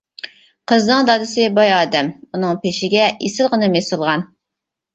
قىزنىڭ دادىسى باي ئادەم، ئۇنىڭ پېشىگە ئېسىلغىنىم ئېسىلغان.